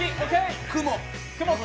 雲。